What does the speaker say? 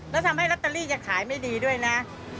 แล้วทำให้ลอตเตอรี่จะขายไม่ดีด้วยนะ